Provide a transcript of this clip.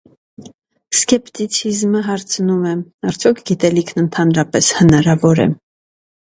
Սկեպտիցիզմը հարցնում է, արդյոք գիտելիքն ընդհանրապես հնարավո՞ր է։